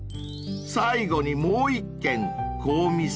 ［最後にもう一軒］